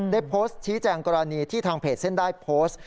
ได้โพสต์ชี้แจงกรณีที่ทางเพจเส้นได้โพสต์